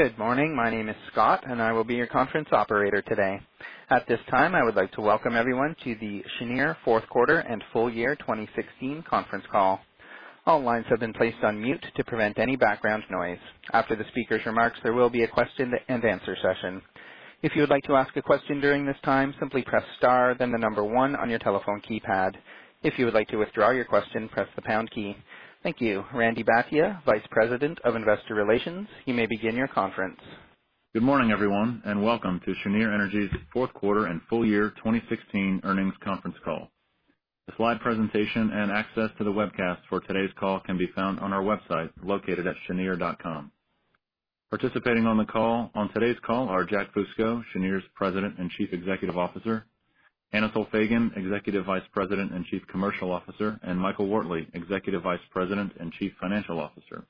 Good morning. My name is Scott, and I will be your conference operator today. At this time, I would like to welcome everyone to the Cheniere fourth quarter and full year 2016 conference call. All lines have been placed on mute to prevent any background noise. After the speaker's remarks, there will be a question and answer session. If you would like to ask a question during this time, simply press star then the number one on your telephone keypad. If you would like to withdraw your question, press the pound key. Thank you. Randy Bhatia, Vice President of Investor Relations, you may begin your conference. Good morning, everyone, and welcome to Cheniere Energy's fourth quarter and full year 2016 earnings conference call. The slide presentation and access to the webcast for today's call can be found on our website located at cheniere.com. On today's call are Jack Fusco, Cheniere's President and Chief Executive Officer, Anatol Feygin, Executive Vice President and Chief Commercial Officer, and Michael Wortley, Executive Vice President and Chief Financial Officer.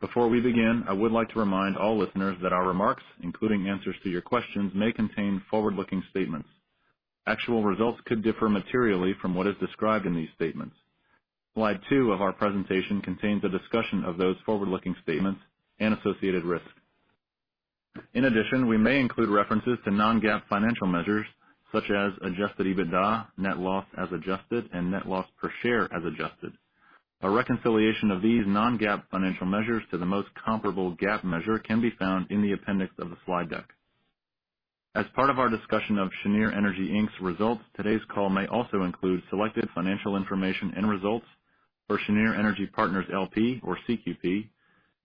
Before we begin, I would like to remind all listeners that our remarks, including answers to your questions, may contain forward-looking statements. Actual results could differ materially from what is described in these statements. Slide two of our presentation contains a discussion of those forward-looking statements and associated risks. In addition, we may include references to non-GAAP financial measures such as adjusted EBITDA, net loss as adjusted, and net loss per share as adjusted. A reconciliation of these non-GAAP financial measures to the most comparable GAAP measure can be found in the appendix of the slide deck. As part of our discussion of Cheniere Energy, Inc.'s results, today's call may also include selected financial information and results for Cheniere Energy Partners, L.P. or CQP,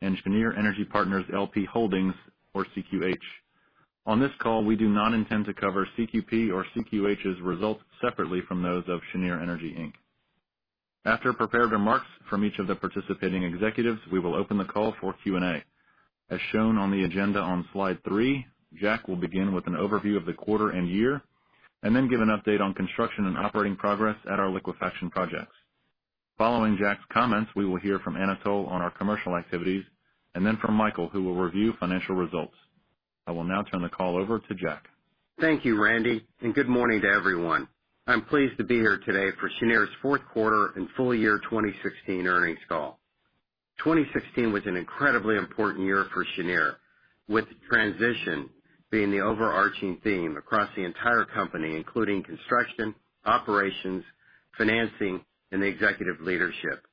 and Cheniere Energy Partners LP Holdings or CQH. On this call, we do not intend to cover CQP or CQH's results separately from those of Cheniere Energy, Inc. After prepared remarks from each of the participating executives, we will open the call for Q&A. As shown on the agenda on slide three, Jack will begin with an overview of the quarter and year and then give an update on construction and operating progress at our liquefaction projects. Following Jack's comments, we will hear from Anatol on our commercial activities and then from Michael, who will review financial results. I will now turn the call over to Jack. Thank you, Randy, and good morning to everyone. I'm pleased to be here today for Cheniere's fourth quarter and full year 2016 earnings call. 2016 was an incredibly important year for Cheniere, with transition being the overarching theme across the entire company, including construction, operations, financing, and executive leadership.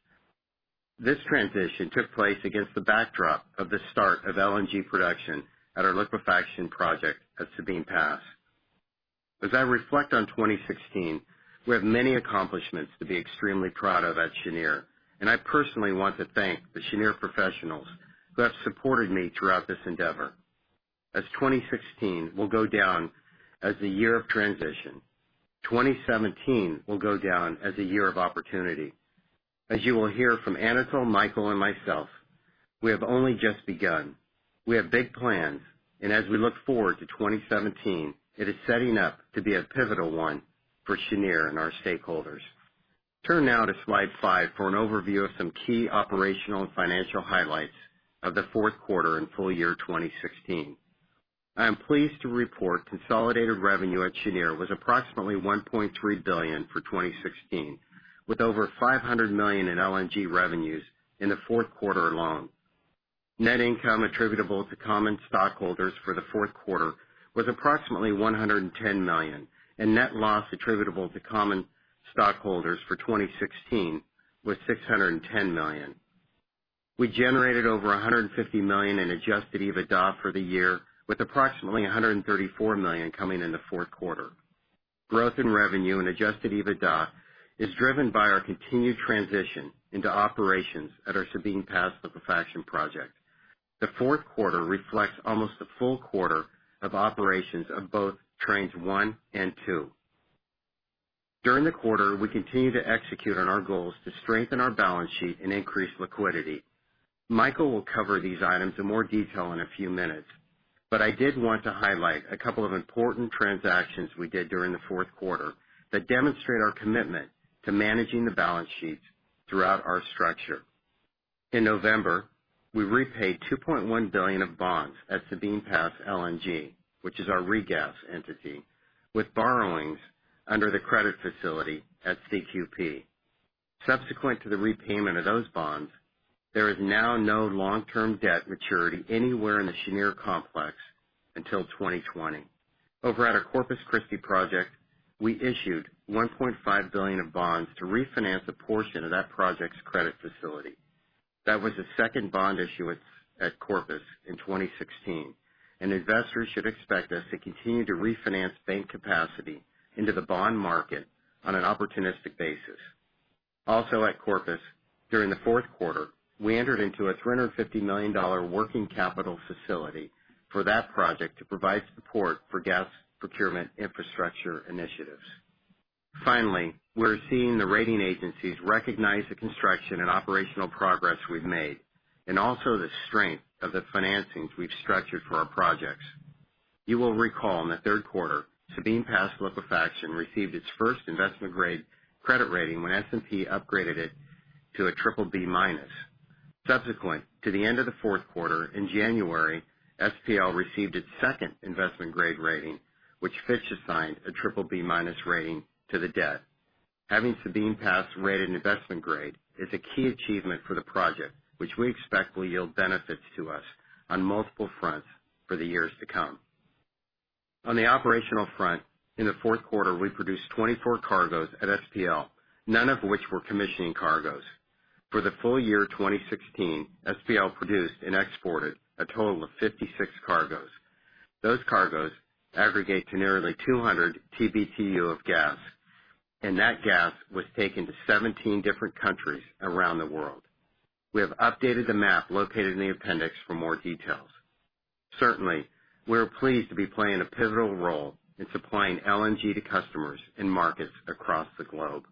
This transition took place against the backdrop of the start of LNG production at our liquefaction project at Sabine Pass. As I reflect on 2016, we have many accomplishments to be extremely proud of at Cheniere, and I personally want to thank the Cheniere professionals who have supported me throughout this endeavor. As 2016 will go down as the year of transition, 2017 will go down as a year of opportunity. As you will hear from Anatol, Michael, and myself, we have only just begun. We have big plans. As we look forward to 2017, it is setting up to be a pivotal one for Cheniere and our stakeholders. Turn now to slide five for an overview of some key operational and financial highlights of the fourth quarter and full year 2016. I am pleased to report consolidated revenue at Cheniere was approximately $1.3 billion for 2016, with over $500 million in LNG revenues in the fourth quarter alone. Net income attributable to common stockholders for the fourth quarter was approximately $110 million, and net loss attributable to common stockholders for 2016 was $610 million. We generated over $150 million in adjusted EBITDA for the year, with approximately $134 million coming in the fourth quarter. Growth in revenue and adjusted EBITDA is driven by our continued transition into operations at our Sabine Pass Liquefaction project. The fourth quarter reflects almost a full quarter of operations of both trains 1 and 2. During the quarter, we continued to execute on our goals to strengthen our balance sheet and increase liquidity. Michael will cover these items in more detail in a few minutes, but I did want to highlight a couple of important transactions we did during the fourth quarter that demonstrate our commitment to managing the balance sheet throughout our structure. In November, we repaid $2.1 billion of bonds at Sabine Pass LNG, which is our regas entity, with borrowings under the credit facility at CQP. Subsequent to the repayment of those bonds, there is now no long-term debt maturity anywhere in the Cheniere complex until 2020. Over at our Corpus Christi project, we issued $1.5 billion of bonds to refinance a portion of that project's credit facility. That was the second bond issuance at Corpus in 2016. Investors should expect us to continue to refinance bank capacity into the bond market on an opportunistic basis. Also at Corpus, during the fourth quarter, we entered into a $350 million working capital facility for that project to provide support for gas procurement infrastructure initiatives. Finally, we're seeing the rating agencies recognize the construction and operational progress we've made and also the strength of the financings we've structured for our projects. You will recall in the third quarter, Sabine Pass Liquefaction received its first investment-grade credit rating when S&P upgraded it to a BBB-. Subsequent to the end of the fourth quarter, in January, SPL received its second investment-grade rating, which Fitch assigned a BBB- rating to the debt. Having Sabine Pass rated an investment grade is a key achievement for the project, which we expect will yield benefits to us on multiple fronts for the years to come. On the operational front, in the fourth quarter, we produced 24 cargoes at SPL, none of which were commissioning cargoes. For the full year 2016, SPL produced and exported a total of 56 cargoes. Those cargoes aggregate to nearly 200 TBtu of gas, and that gas was taken to 17 different countries around the world. We have updated the map located in the appendix for more details. Certainly, we are pleased to be playing a pivotal role in supplying LNG to customers in markets across the globe.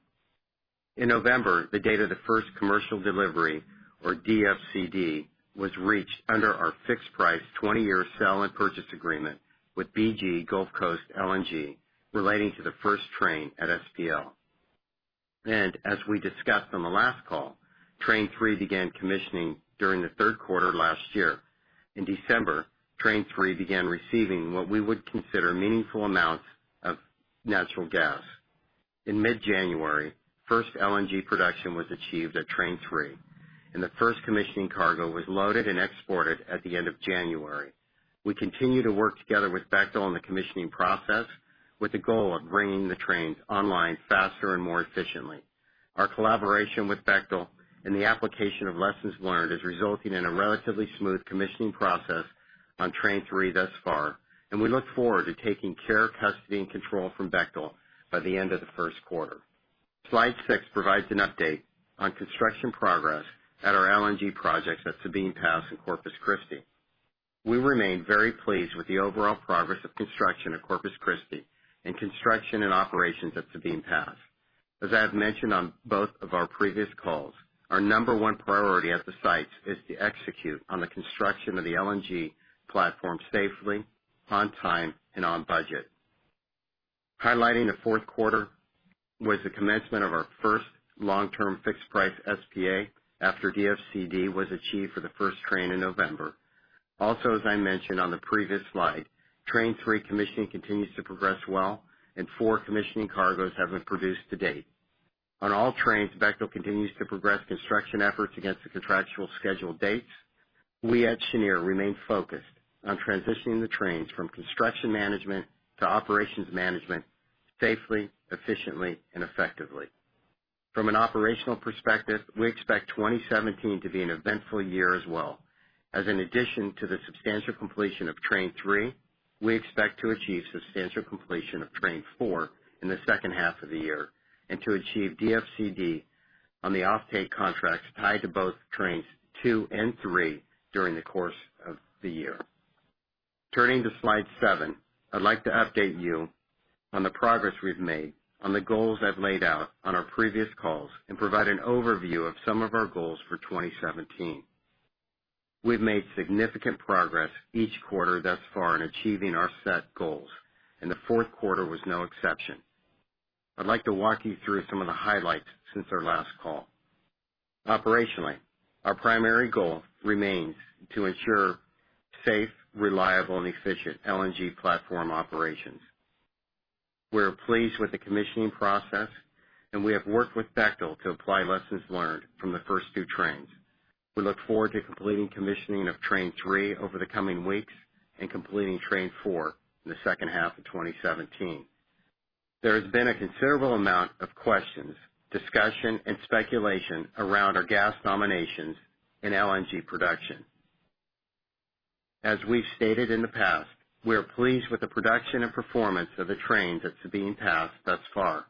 In November, the date of the first commercial delivery, or DFCD, was reached under our fixed price 20-year sell and purchase agreement with BG Gulf Coast LNG relating to the first train at SPL. As we discussed on the last call, train 3 began commissioning during the third quarter last year. In December, train 3 began receiving what we would consider meaningful amounts of natural gas. In mid-January, first LNG production was achieved at train 3, and the first commissioning cargo was loaded and exported at the end of January. We continue to work together with Bechtel on the commissioning process with the goal of bringing the trains online faster and more efficiently. Our collaboration with Bechtel and the application of lessons learned is resulting in a relatively smooth commissioning process on train 3 thus far, and we look forward to taking care, custody, and control from Bechtel by the end of the first quarter. Slide six provides an update on construction progress at our LNG projects at Sabine Pass and Corpus Christi. We remain very pleased with the overall progress of construction at Corpus Christi and construction and operations at Sabine Pass. As I have mentioned on both of our previous calls, our number one priority at the sites is to execute on the construction of the LNG platform safely, on time, and on budget. Highlighting the fourth quarter was the commencement of our first long-term fixed price SPA after DFCD was achieved for the first train in November. As I mentioned on the previous slide, train 3 commissioning continues to progress well, and four commissioning cargoes have been produced to date. On all trains, Bechtel continues to progress construction efforts against the contractual scheduled dates. We at Cheniere remain focused on transitioning the trains from construction management to operations management safely, efficiently, and effectively. From an operational perspective, we expect 2017 to be an eventful year as well. As in addition to the substantial completion of train 3, we expect to achieve substantial completion of train 4 in the second half of the year, and to achieve DFCD on the offtake contracts tied to both trains 2 and 3 during the course of the year. Turning to slide seven, I'd like to update you on the progress we've made on the goals I've laid out on our previous calls and provide an overview of some of our goals for 2017. We've made significant progress each quarter thus far in achieving our set goals, and the fourth quarter was no exception. I'd like to walk you through some of the highlights since our last call. Operationally, our primary goal remains to ensure safe, reliable, and efficient LNG platform operations. We are pleased with the commissioning process, and we have worked with Bechtel to apply lessons learned from the first two trains. We look forward to completing commissioning of train three over the coming weeks and completing train four in the second half of 2017. There has been a considerable amount of questions, discussion, and speculation around our gas nominations in LNG production. As we've stated in the past, we are pleased with the production and performance of the trains at Sabine Pass thus far.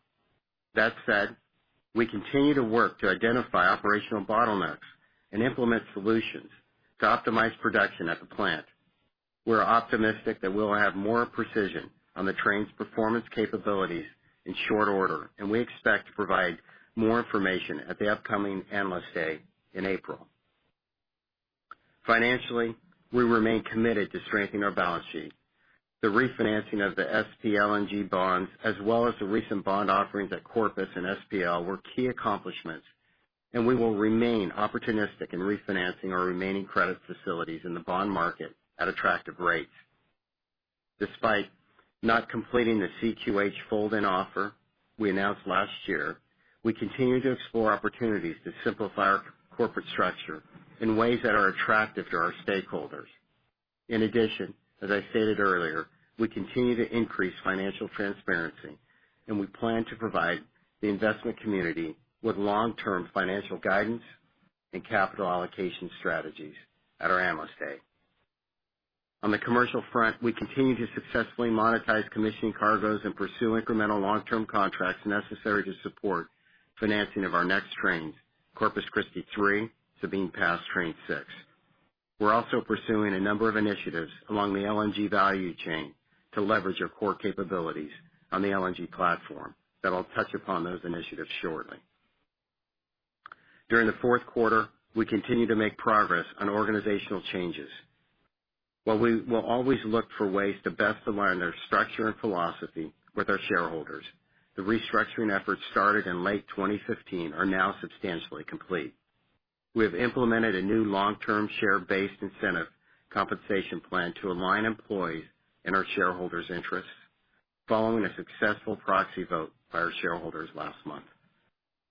That said, we continue to work to identify operational bottlenecks and implement solutions to optimize production at the plant. We're optimistic that we'll have more precision on the train's performance capabilities in short order, and we expect to provide more information at the upcoming Analyst Day in April. Financially, we remain committed to strengthening our balance sheet. The refinancing of the SPLNG bonds, as well as the recent bond offerings at Corpus and SPL, were key accomplishments, and we will remain opportunistic in refinancing our remaining credit facilities in the bond market at attractive rates. Despite not completing the CQH fold-in offer we announced last year, we continue to explore opportunities to simplify our corporate structure in ways that are attractive to our stakeholders. In addition, as I stated earlier, we continue to increase financial transparency, and we plan to provide the investment community with long-term financial guidance and capital allocation strategies at our Analyst Day. On the commercial front, we continue to successfully monetize commissioning cargoes and pursue incremental long-term contracts necessary to support financing of our next trains, Corpus Christi three, Sabine Pass train six. We're also pursuing a number of initiatives along the LNG value chain to leverage our core capabilities on the LNG platform that I'll touch upon those initiatives shortly. During the fourth quarter, we continued to make progress on organizational changes. While we will always look for ways to best align their structure and philosophy with our shareholders, the restructuring efforts started in late 2015 are now substantially complete. We have implemented a new long-term share-based incentive compensation plan to align employees and our shareholders' interests following a successful proxy vote by our shareholders last month.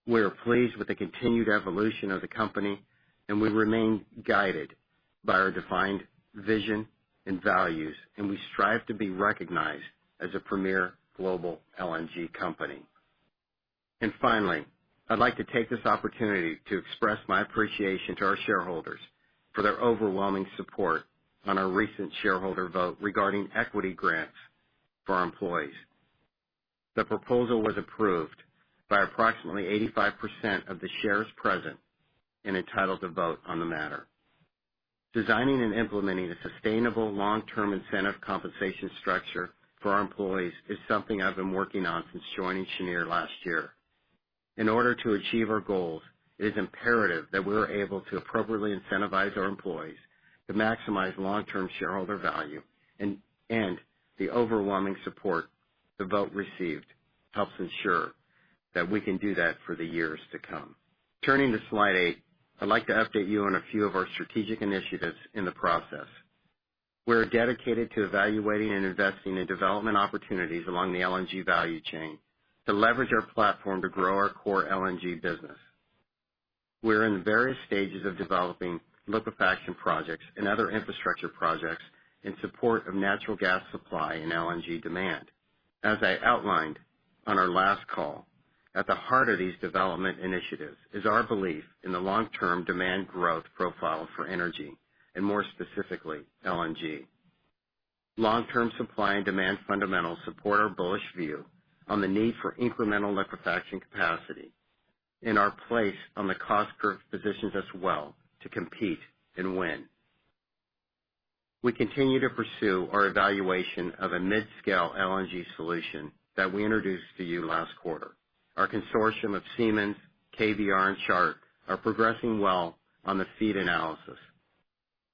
We are pleased with the continued evolution of the company, and we remain guided by our defined vision and values, and we strive to be recognized as a premier global LNG company. Finally, I'd like to take this opportunity to express my appreciation to our shareholders for their overwhelming support on our recent shareholder vote regarding equity grants for our employees. The proposal was approved by approximately 85% of the shares present and entitled to vote on the matter. Designing and implementing a sustainable long-term incentive compensation structure for our employees is something I've been working on since joining Cheniere last year. In order to achieve our goals, it is imperative that we are able to appropriately incentivize our employees to maximize long-term shareholder value. The overwhelming support the vote received helps ensure that we can do that for the years to come. Turning to slide eight, I'd like to update you on a few of our strategic initiatives in the process. We are dedicated to evaluating and investing in development opportunities along the LNG value chain to leverage our platform to grow our core LNG business. We are in various stages of developing liquefaction projects and other infrastructure projects in support of natural gas supply and LNG demand. As I outlined on our last call, at the heart of these development initiatives is our belief in the long-term demand growth profile for energy, and more specifically, LNG. Long-term supply and demand fundamentals support our bullish view on the need for incremental liquefaction capacity. Our place on the cost curve positions us well to compete and win. We continue to pursue our evaluation of a mid-scale LNG solution that we introduced to you last quarter. Our consortium of Siemens, KBR, and Chart are progressing well on the FEED analysis.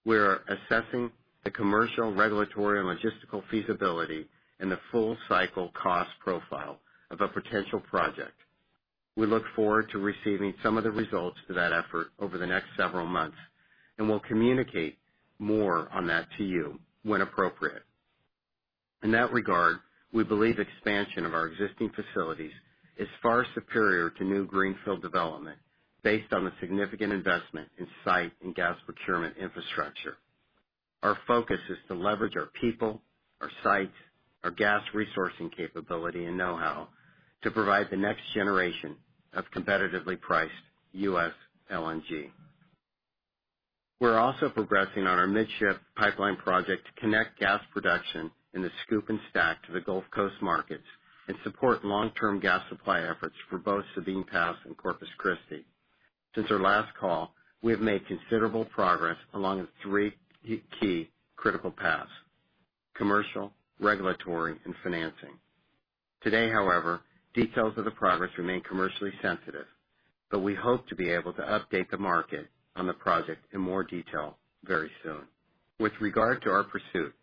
We are assessing the commercial, regulatory, and logistical feasibility and the full cycle cost profile of a potential project. We look forward to receiving some of the results for that effort over the next several months. We'll communicate more on that to you when appropriate. In that regard, we believe expansion of our existing facilities is far superior to new greenfield development based on the significant investment in site and gas procurement infrastructure. Our focus is to leverage our people, our sites, our gas resourcing capability, and know-how to provide the next generation of competitively priced U.S. LNG. We're also progressing on our Midship Pipeline project to connect gas production in the SCOOP and STACK to the Gulf Coast markets and support long-term gas supply efforts for both Sabine Pass and Corpus Christi. Since our last call, we have made considerable progress along the three key critical paths: commercial, regulatory, and financing. Today, however, details of the progress remain commercially sensitive. We hope to be able to update the market on the project in more detail very soon. With regard to our pursuit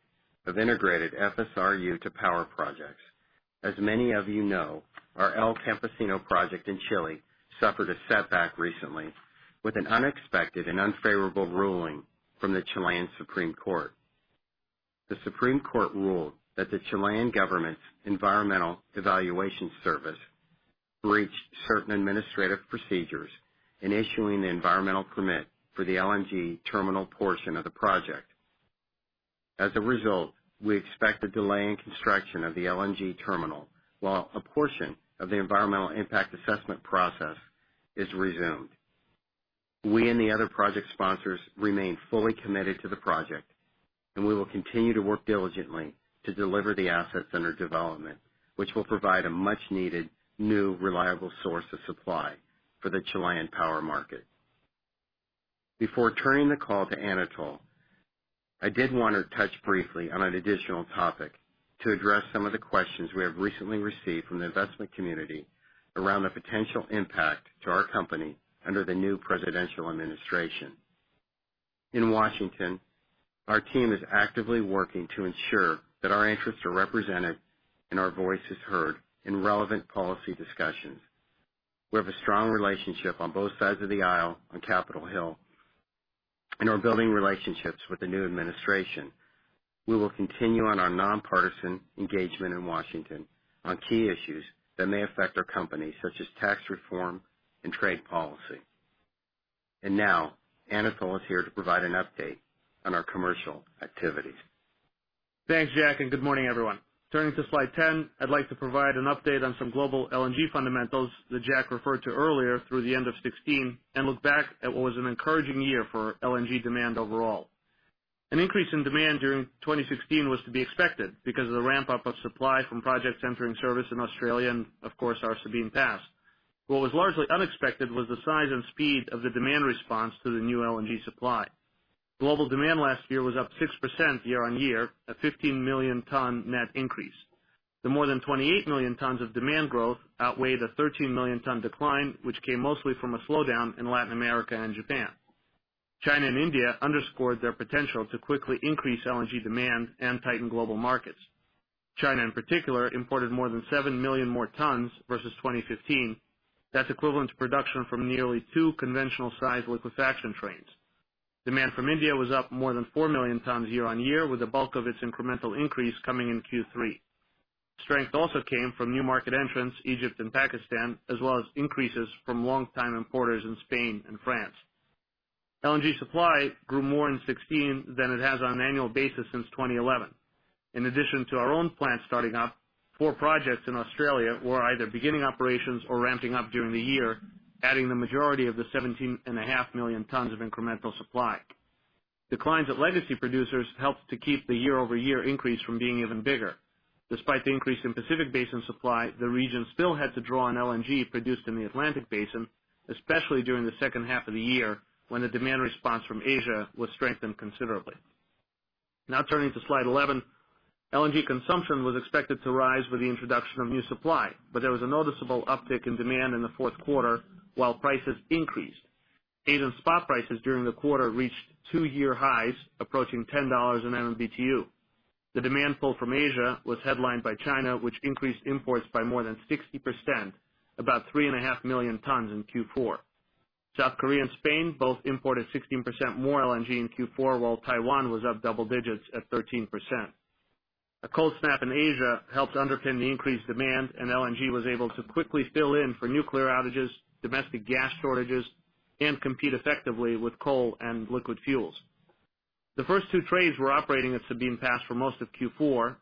of integrated FSRU to power projects, as many of you know, our El Campesino project in Chile suffered a setback recently with an unexpected and unfavorable ruling from the Chilean Supreme Court. The Supreme Court ruled that the Chilean government's Environmental Assessment Service breached certain administrative procedures in issuing the environmental permit for the LNG terminal portion of the project. As a result, we expect a delay in construction of the LNG terminal while a portion of the environmental impact assessment process is resumed. We and the other project sponsors remain fully committed to the project. We will continue to work diligently to deliver the assets under development, which will provide a much-needed, new, reliable source of supply for the Chilean power market. Before turning the call to Anatol, I did want to touch briefly on an additional topic to address some of the questions we have recently received from the investment community around the potential impact to our company under the new presidential administration. In Washington, our team is actively working to ensure that our interests are represented and our voice is heard in relevant policy discussions. We have a strong relationship on both sides of the aisle on Capitol Hill and are building relationships with the new administration. We will continue on our nonpartisan engagement in Washington on key issues that may affect our company, such as tax reform and trade policy. Now Anatol is here to provide an update on our commercial activities. Thanks, Jack. Good morning, everyone. Turning to slide 10, I'd like to provide an update on some global LNG fundamentals that Jack referred to earlier through the end of 2016 and look back at what was an encouraging year for LNG demand overall. An increase in demand during 2016 was to be expected because of the ramp-up of supply from projects entering service in Australia and, of course, our Sabine Pass. What was largely unexpected was the size and speed of the demand response to the new LNG supply. Global demand last year was up 6% year-on-year, a 15 million ton net increase. The more than 28 million tons of demand growth outweighed a 13 million ton decline, which came mostly from a slowdown in Latin America and Japan. China and India underscored their potential to quickly increase LNG demand and tighten global markets. China, in particular, imported more than 7 million more tons versus 2015. That's equivalent to production from nearly two conventional-sized liquefaction trains. Demand from India was up more than 4 million tons year-on-year, with the bulk of its incremental increase coming in Q3. Strength also came from new market entrants, Egypt and Pakistan, as well as increases from longtime importers in Spain and France. LNG supply grew more in 2016 than it has on an annual basis since 2011. In addition to our own plant starting up, four projects in Australia were either beginning operations or ramping up during the year, adding the majority of the 17.5 million tons of incremental supply. Declines at legacy producers helped to keep the year-over-year increase from being even bigger. Turning to slide 11. LNG consumption was expected to rise with the introduction of new supply, but there was a noticeable uptick in demand in the fourth quarter while prices increased. Asian spot prices during the quarter reached two-year highs, approaching $10 in MMBtu. The demand pull from Asia was headlined by China, which increased imports by more than 60%, about three and a half million tons in Q4. South Korea and Spain both imported 16% more LNG in Q4, while Taiwan was up double digits at 13%. A cold snap in Asia helped underpin the increased demand. LNG was able to quickly fill in for nuclear outages, domestic gas shortages, and compete effectively with coal and liquid fuels. The first two trains were operating at Sabine Pass for most of Q4.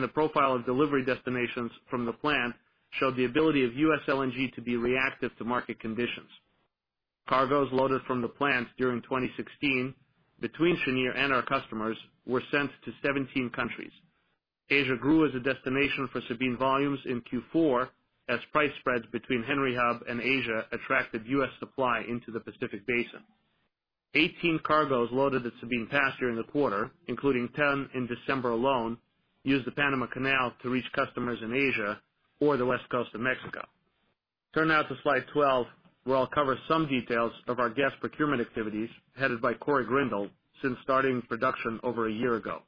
The profile of delivery destinations from the plant showed the ability of U.S. LNG to be reactive to market conditions. Cargoes loaded from the plant during 2016 between Cheniere and our customers were sent to 17 countries. Asia grew as a destination for Sabine volumes in Q4 as price spreads between Henry Hub and Asia attracted U.S. supply into the Pacific Basin. 18 cargoes loaded at Sabine Pass during the quarter, including 10 in December alone, used the Panama Canal to reach customers in Asia or the West Coast of Mexico. Turning now to slide 12, where I'll cover some details of our gas procurement activities, headed by Corey Grindal since starting production over a year ago.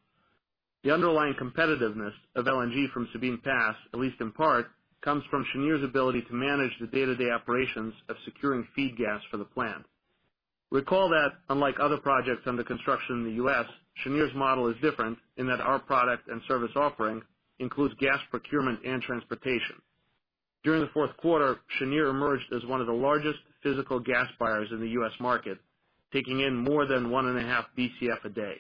The underlying competitiveness of LNG from Sabine Pass, at least in part, comes from Cheniere's ability to manage the day-to-day operations of securing feed gas for the plant. Recall that unlike other projects under construction in the U.S., Cheniere's model is different in that our product and service offering includes gas procurement and transportation. During the fourth quarter, Cheniere emerged as one of the largest physical gas buyers in the U.S. market, taking in more than one and a half BCF a day.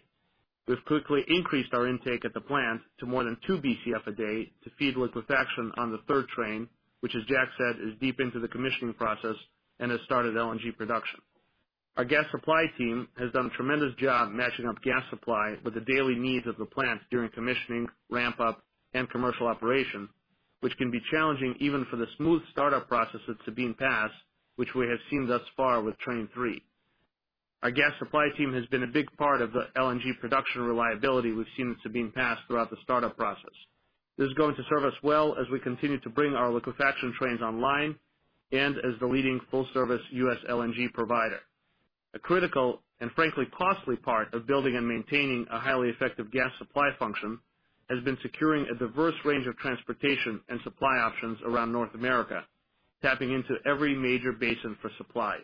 We've quickly increased our intake at the plant to more than two BCF a day to feed liquefaction on the third train, which, as Jack said, is deep into the commissioning process and has started LNG production. Our gas supply team has done a tremendous job matching up gas supply with the daily needs of the plant during commissioning, ramp-up, and commercial operation, which can be challenging even for the smooth start-up process at Sabine Pass, which we have seen thus far with train three. Our gas supply team has been a big part of the LNG production reliability we've seen at Sabine Pass throughout the start-up process. This is going to serve us well as we continue to bring our liquefaction trains online and as the leading full-service U.S. LNG provider. A critical and frankly, costly part of building and maintaining a highly effective gas supply function has been securing a diverse range of transportation and supply options around North America, tapping into every major basin for supply.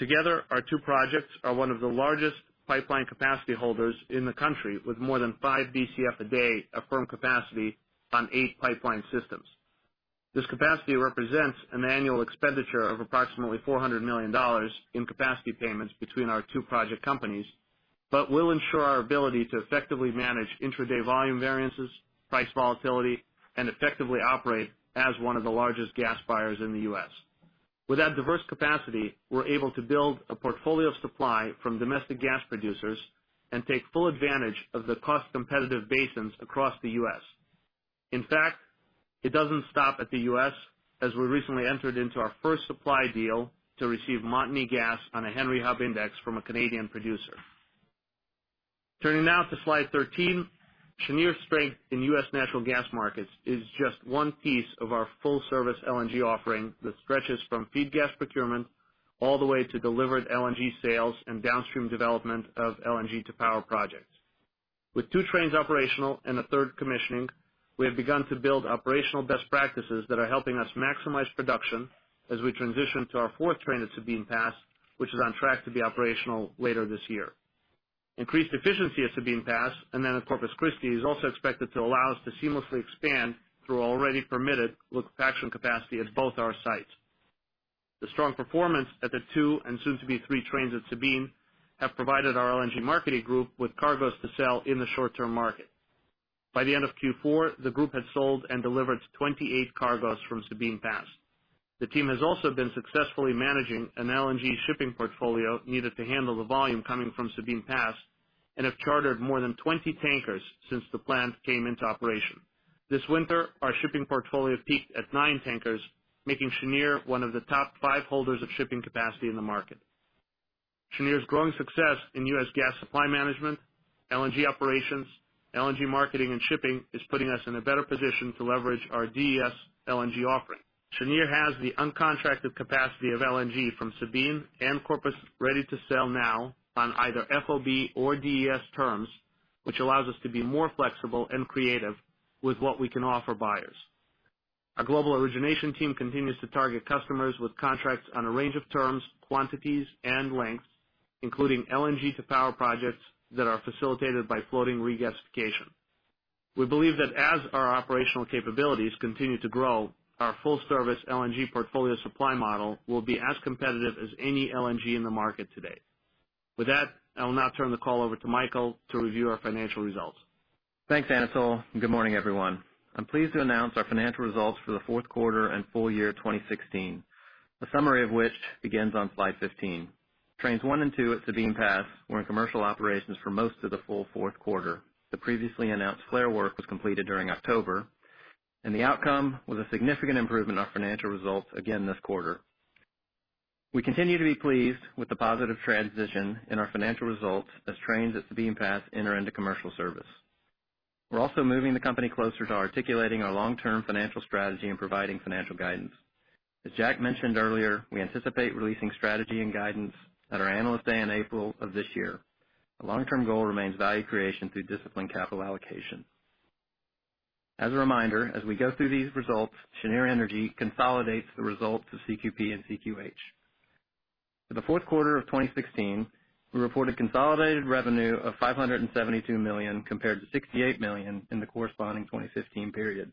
Together, our two projects are one of the largest pipeline capacity holders in the country, with more than five BCF a day of firm capacity on eight pipeline systems. This capacity represents an annual expenditure of approximately $400 million in capacity payments between our two project companies, but will ensure our ability to effectively manage intra-day volume variances, price volatility, and effectively operate as one of the largest gas buyers in the U.S. With that diverse capacity, we're able to build a portfolio supply from domestic gas producers and take full advantage of the cost-competitive basins across the U.S. In fact, it doesn't stop at the U.S., as we recently entered into our first supply deal to receive Montney gas on a Henry Hub Index from a Canadian producer. Turning now to slide 13. Cheniere's strength in U.S. natural gas markets is just one piece of our full-service LNG offering that stretches from feed gas procurement all the way to delivered LNG sales and downstream development of LNG to power projects. With two trains operational and a third commissioning, we have begun to build operational best practices that are helping us maximize production as we transition to our fourth train at Sabine Pass, which is on track to be operational later this year. Increased efficiency at Sabine Pass and then at Corpus Christi is also expected to allow us to seamlessly expand through already permitted liquefaction capacity at both our sites. The strong performance at the two and soon to be three trains at Sabine have provided our LNG marketing group with cargoes to sell in the short-term market. By the end of Q4, the group had sold and delivered 28 cargoes from Sabine Pass. The team has also been successfully managing an LNG shipping portfolio needed to handle the volume coming from Sabine Pass and have chartered more than 20 tankers since the plant came into operation. This winter, our shipping portfolio peaked at nine tankers, making Cheniere one of the top five holders of shipping capacity in the market. Cheniere's growing success in U.S. gas supply management LNG operations, LNG marketing and shipping is putting us in a better position to leverage our DES LNG offering. Cheniere has the uncontracted capacity of LNG from Sabine and Corpus ready to sell now on either FOB or DES terms, which allows us to be more flexible and creative with what we can offer buyers. Our global origination team continues to target customers with contracts on a range of terms, quantities, and lengths, including LNG to power projects that are facilitated by floating regasification. We believe that as our operational capabilities continue to grow, our full-service LNG portfolio supply model will be as competitive as any LNG in the market today. With that, I will now turn the call over to Michael to review our financial results. Thanks, Anatol, and good morning, everyone. I'm pleased to announce our financial results for the fourth quarter and full year 2016, a summary of which begins on slide 15. Trains One and Two at Sabine Pass were in commercial operations for most of the full fourth quarter. The previously announced flare work was completed during October, and the outcome was a significant improvement on our financial results again this quarter. We continue to be pleased with the positive transition in our financial results as trains at Sabine Pass enter into commercial service. We're also moving the company closer to articulating our long-term financial strategy and providing financial guidance. As Jack mentioned earlier, we anticipate releasing strategy and guidance at our Analyst Day in April of this year. As a reminder, as we go through these results, Cheniere Energy consolidates the results of CQP and CQH. For the fourth quarter of 2016, we reported consolidated revenue of $572 million compared to $68 million in the corresponding 2015 period.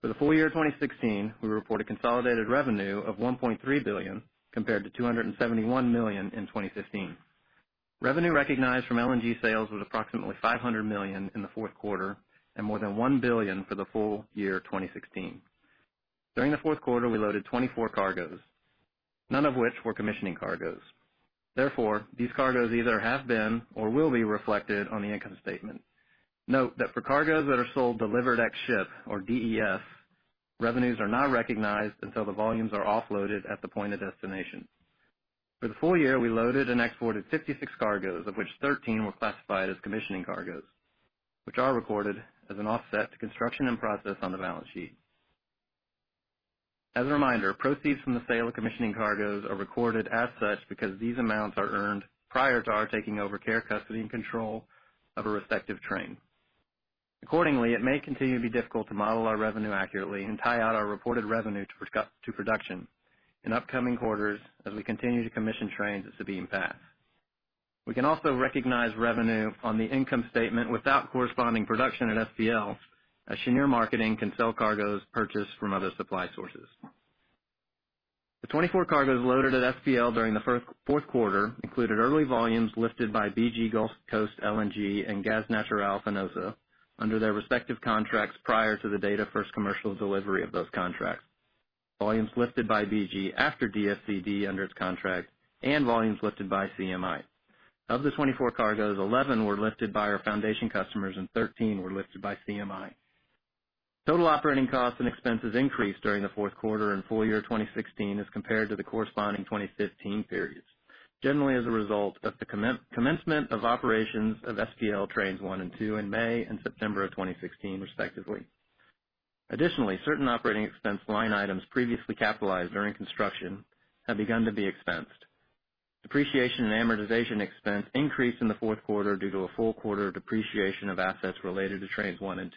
For the full year 2016, we report a consolidated revenue of $1.3 billion compared to $271 million in 2015. Revenue recognized from LNG sales was approximately $500 million in the fourth quarter and more than $1 billion for the full year 2016. During the fourth quarter, we loaded 24 cargoes, none of which were commissioning cargoes. Therefore, these cargoes either have been or will be reflected on the income statement. Note that for cargoes that are sold delivered ex ship or DES, revenues are not recognized until the volumes are offloaded at the point of destination. For the full year, we loaded and exported 56 cargoes, of which 13 were classified as commissioning cargoes, which are recorded as an offset to construction in process on the balance sheet. As a reminder, proceeds from the sale of commissioning cargoes are recorded as such because these amounts are earned prior to our taking over care, custody, and control of a respective train. Accordingly, it may continue to be difficult to model our revenue accurately and tie out our reported revenue to production in upcoming quarters as we continue to commission trains at Sabine Pass. We can also recognize revenue on the income statement without corresponding production at SPL, as Cheniere Marketing can sell cargoes purchased from other supply sources. The 24 cargoes loaded at SPL during the fourth quarter included early volumes lifted by BG Gulf Coast LNG and Gas Natural Fenosa under their respective contracts prior to the date of first commercial delivery of those contracts. Volumes lifted by BG after DFCD under its contract and volumes lifted by CMI. Of the 24 cargoes, 11 were lifted by our foundation customers and 13 were lifted by CMI. Total operating costs and expenses increased during the fourth quarter and full year 2016 as compared to the corresponding 2015 periods, generally as a result of the commencement of operations of SPL Trains 1 and 2 in May and September of 2016 respectively. Additionally, certain operating expense line items previously capitalized during construction have begun to be expensed. Depreciation and amortization expense increased in the fourth quarter due to a full quarter depreciation of assets related to Trains 1 and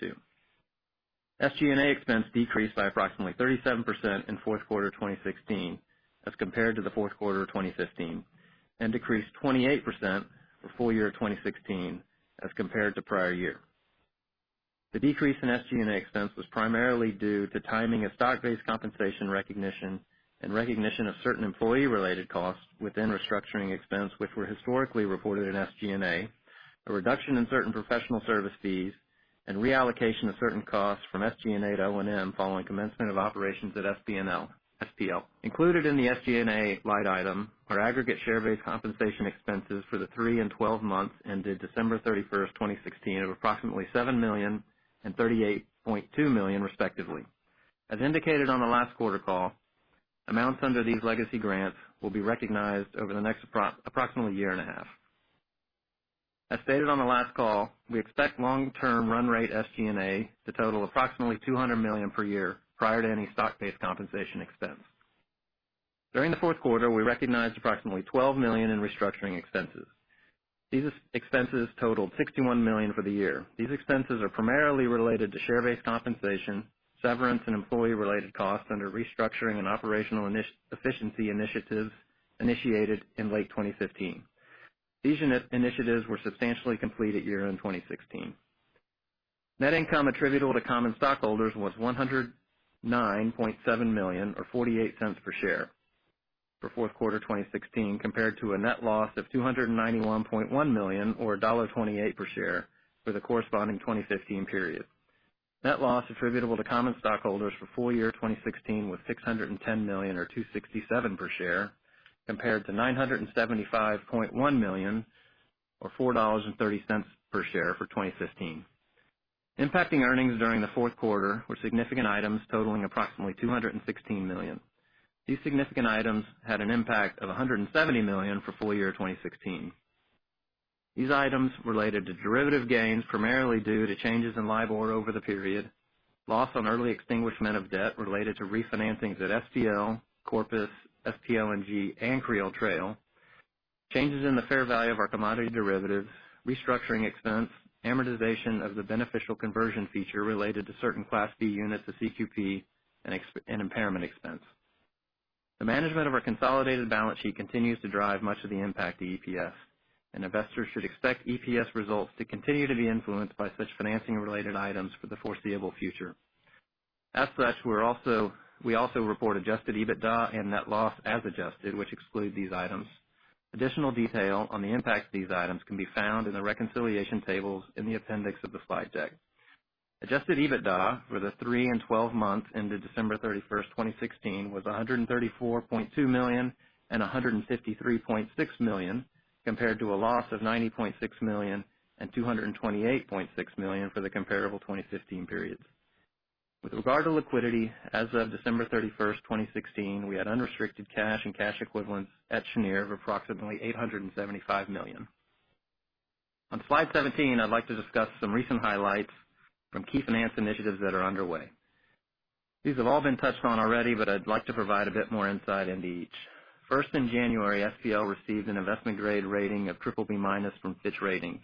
2. SG&A expense decreased by approximately 37% in fourth quarter 2016 as compared to the fourth quarter of 2015, and decreased 28% for full year 2016 as compared to prior year. The decrease in SG&A expense was primarily due to timing of stock-based compensation recognition and recognition of certain employee-related costs within restructuring expense, which were historically reported in SG&A, a reduction in certain professional service fees, and reallocation of certain costs from SG&A to O&M following commencement of operations at SPL. Included in the SG&A line item are aggregate share-based compensation expenses for the three and 12 months ended December 31, 2016 of approximately $7 million and $38.2 million respectively. As indicated on the last quarter call, amounts under these legacy grants will be recognized over the next approximately year and a half. As stated on the last call, we expect long-term run rate SG&A to total approximately $200 million per year prior to any stock-based compensation expense. During the fourth quarter, we recognized approximately $12 million in restructuring expenses. These expenses totaled $61 million for the year. These expenses are primarily related to share-based compensation, severance, and employee-related costs under restructuring and operational efficiency initiatives initiated in late 2015. These initiatives were substantially complete at year-end 2016. Net income attributable to common stockholders was $109.7 million or $0.48 per share for fourth quarter 2016 compared to a net loss of $291.1 million or $1.28 per share for the corresponding 2015 period. Net loss attributable to common stockholders for full year 2016 was $610 million or $2.67 per share, compared to $975.1 million or $4.30 per share for 2015. Impacting earnings during the fourth quarter were significant items totaling approximately $216 million. These significant items had an impact of $170 million for full year 2016. These items related to derivative gains, primarily due to changes in LIBOR over the period, loss on early extinguishment of debt related to refinancings at SPL, Corpus, SPL NG, and Creole Trail. Changes in the fair value of our commodity derivatives, restructuring expense, amortization of the beneficial conversion feature related to certain Class B units of CQP, and impairment expense. The management of our consolidated balance sheet continues to drive much of the impact to EPS, and investors should expect EPS results to continue to be influenced by such financing-related items for the foreseeable future. As such, we also report adjusted EBITDA and net loss as adjusted, which exclude these items. Additional detail on the impact of these items can be found in the reconciliation tables in the appendix of the slide deck. Adjusted EBITDA for the three and 12 months ended December 31, 2016, was $134.2 million and $153.6 million compared to a loss of $90.6 million and $228.6 million for the comparable 2015 periods. With regard to liquidity as of December 31, 2016, we had unrestricted cash and cash equivalents at Cheniere of approximately $875 million. On slide 17, I'd like to discuss some recent highlights from key finance initiatives that are underway. These have all been touched on already, but I'd like to provide a bit more insight into each. First, in January, SPL received an investment-grade rating of BBB- from Fitch Ratings.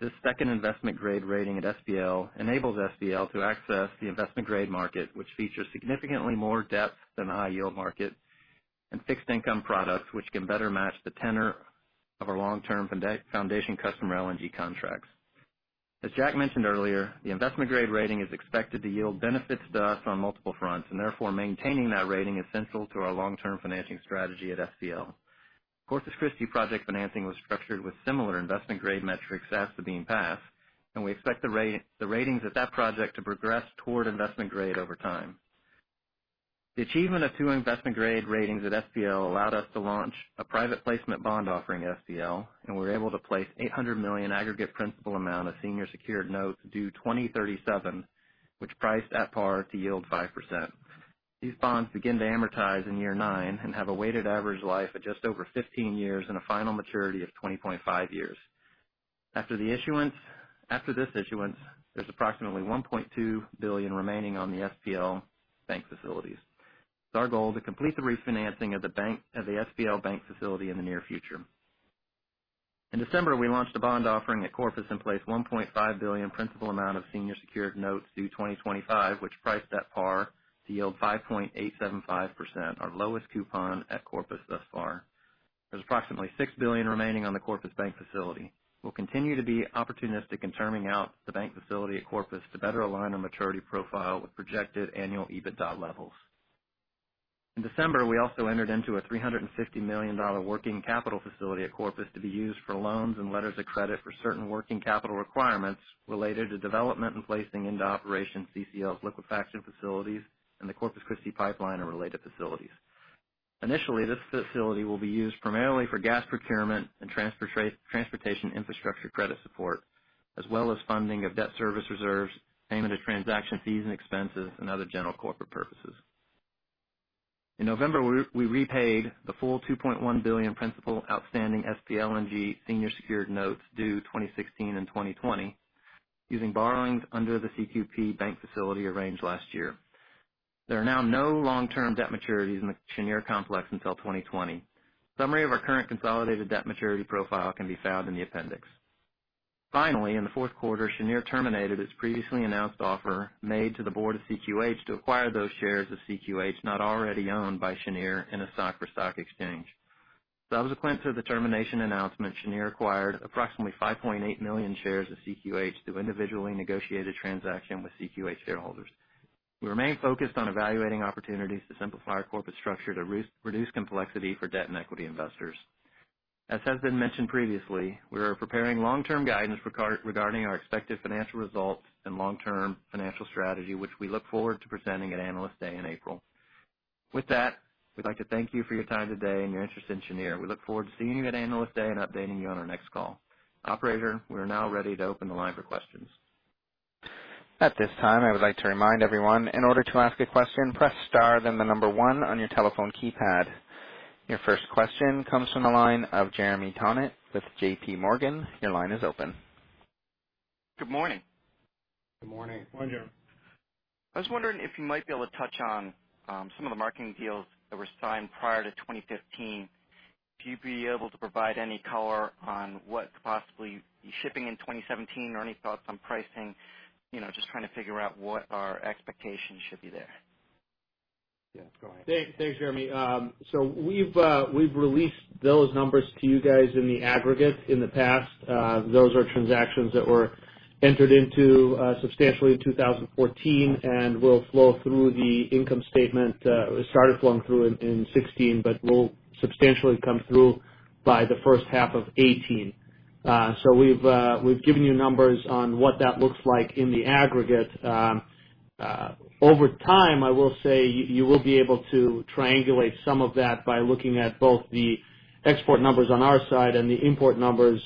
This second investment-grade rating at SPL enables SPL to access the investment-grade market, which features significantly more depth than the high-yield market and fixed income products, which can better match the tenor of our long-term foundation customer LNG contracts. As Jack mentioned earlier, the investment-grade rating is expected to yield benefits to us on multiple fronts, maintaining that rating is central to our long-term financing strategy at SPL. Corpus Christi project financing was structured with similar investment-grade metrics as Sabine Pass, and we expect the ratings of that project to progress toward investment grade over time. The achievement of two investment-grade ratings at SPL allowed us to launch a private placement bond offering at SPL, and we were able to place $800 million aggregate principal amount of senior secured notes due 2037, which priced at par to yield 5%. These bonds begin to amortize in year nine and have a weighted average life of just over 15 years and a final maturity of 20.5 years. After this issuance, there's approximately $1.2 billion remaining on the SPL bank facilities. It's our goal to complete the refinancing of the SPL bank facility in the near future. In December, we launched a bond offering at Corpus and placed $1.5 billion principal amount of senior secured notes due 2025, which priced at par to yield 5.875%, our lowest coupon at Corpus thus far. There's approximately $6 billion remaining on the Corpus bank facility. We'll continue to be opportunistic in terming out the bank facility at Corpus to better align our maturity profile with projected annual EBITDA levels. In December, we also entered into a $350 million working capital facility at Corpus to be used for loans and letters of credit for certain working capital requirements related to development and placing into operation CCL's liquefaction facilities and the Corpus Christi pipeline and related facilities. Initially, this facility will be used primarily for gas procurement and transportation infrastructure credit support, as well as funding of debt service reserves, payment of transaction fees and expenses, and other general corporate purposes. In November, we repaid the full $2.1 billion principal outstanding SPL NG senior secured notes due 2016 and 2020 using borrowings under the CQP bank facility arranged last year. There are now no long-term debt maturities in the Cheniere complex until 2020. Summary of our current consolidated debt maturity profile can be found in the appendix. Finally, in the fourth quarter, Cheniere terminated its previously announced offer made to the board of CQH to acquire those shares of CQH not already owned by Cheniere in a stock-for-stock exchange. Subsequent to the termination announcement, Cheniere acquired approximately 5.8 million shares of CQH through individually negotiated transaction with CQH shareholders. We remain focused on evaluating opportunities to simplify our corporate structure to reduce complexity for debt and equity investors. As has been mentioned previously, we are preparing long-term guidance regarding our expected financial results and long-term financial strategy, which we look forward to presenting at Analyst Day in April. With that, we'd like to thank you for your time today and your interest in Cheniere. We look forward to seeing you at Analyst Day and updating you on our next call. Operator, we are now ready to open the line for questions. At this time, I would like to remind everyone, in order to ask a question, press star then the number one on your telephone keypad. Your first question comes from the line of Jeremy Tonet with JPMorgan. Your line is open. Good morning. Good morning. Morning, Jeremy. I was wondering if you might be able to touch on some of the marketing deals that were signed prior to 2015. Would you be able to provide any color on what's possibly shipping in 2017 or any thoughts on pricing? Just trying to figure out what our expectations should be there. Yeah, go ahead. Thanks, Jeremy. We've released those numbers to you guys in the aggregate in the past. Those are transactions that were entered into substantially in 2014 and will flow through the income statement. It started flowing through in 2016, but will substantially come through by the first half of 2018. We've given you numbers on what that looks like in the aggregate. Over time, I will say you will be able to triangulate some of that by looking at both the export numbers on our side and the import numbers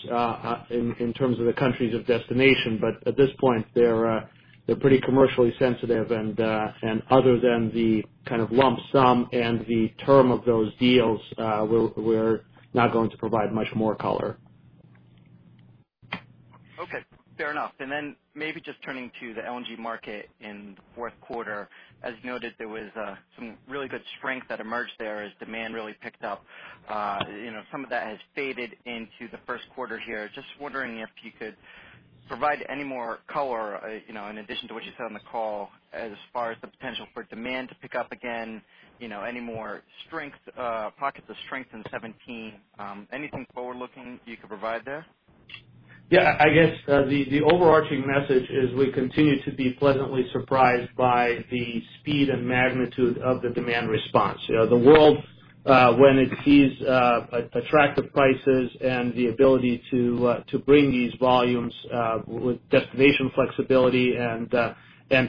in terms of the countries of destination. At this point, they're pretty commercially sensitive, and other than the kind of lump sum and the term of those deals, we're not going to provide much more color. Okay, fair enough. Then maybe just turning to the LNG market in the fourth quarter. As noted, there was some really good strength that emerged there as demand really picked up. Some of that has faded into the first quarter here. Just wondering if you could provide any more color, in addition to what you said on the call, as far as the potential for demand to pick up again, any more pockets of strength in 2017. Anything forward-looking you could provide there? Yeah, I guess, the overarching message is we continue to be pleasantly surprised by the speed and magnitude of the demand response. The world, when it sees attractive prices and the ability to bring these volumes with destination flexibility and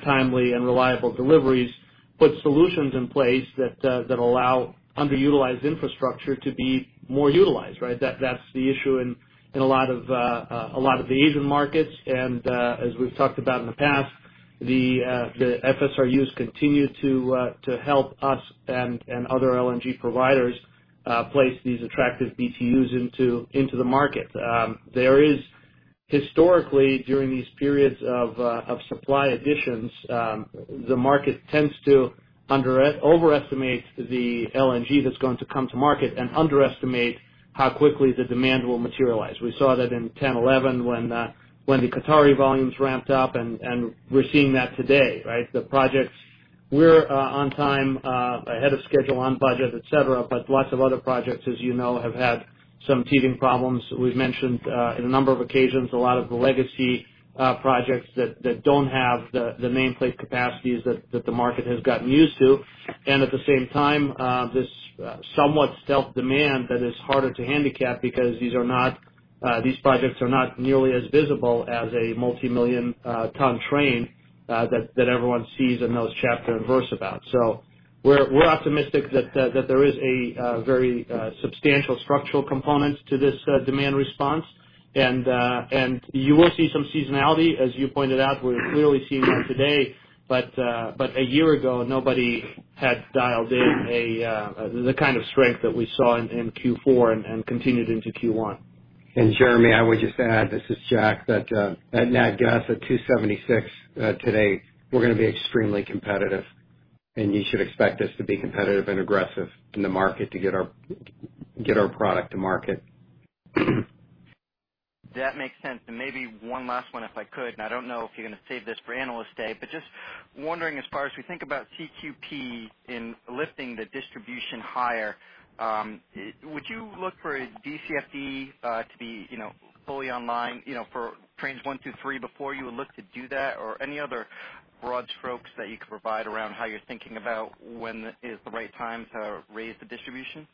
timely and reliable deliveries, put solutions in place that allow underutilized infrastructure to be more utilized, right? That's the issue in a lot of the Asian markets. As we've talked about in the past, the FSRUs continue to help us and other LNG providers place these attractive BTUs into the market. Historically, during these periods of supply additions, the market tends to overestimate the LNG that's going to come to market and underestimate how quickly the demand will materialize. We saw that in 2010, 2011, when the Qatari volumes ramped up, and we're seeing that today, right? We're on time, ahead of schedule, on budget, et cetera, lots of other projects, as you know, have had some teething problems. We've mentioned, in a number of occasions, a lot of the legacy projects that don't have the nameplate capacities that the market has gotten used to. At the same time, this somewhat stealth demand that is harder to handicap because these projects are not nearly as visible as a multimillion ton train that everyone sees and knows chapter and verse about. We're optimistic that there is a very substantial structural component to this demand response. You will see some seasonality, as you pointed out. We're clearly seeing that today. A year ago, nobody had dialed in the kind of strength that we saw in Q4 and continued into Q1. Jeremy, I would just add, this is Jack, that nat gas at $2.76 today, we're going to be extremely competitive, and you should expect us to be competitive and aggressive in the market to get our product to market. That makes sense. Maybe one last one, if I could, and I don't know if you're going to save this for Analyst Day, but just wondering, as far as we think about CQP in lifting the distribution higher, would you look for a DFCD to be fully online for Trains 1, 2, 3 before you would look to do that? Any other broad strokes that you could provide around how you're thinking about when is the right time to raise the distribution?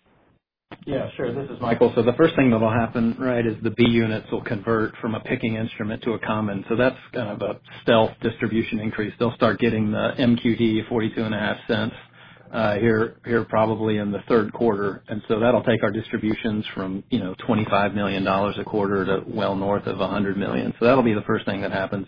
Yeah, sure. This is Michael. The first thing that will happen, right, is the B units will convert from a PIK-ing instrument to a common. That is kind of a stealth distribution increase. They will start getting the MQD $0.425 here probably in the third quarter. That will take our distributions from $25 million a quarter to well north of $100 million. That will be the first thing that happens.